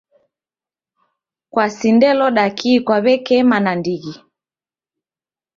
Kwasindeloda kii kwawekema nandighi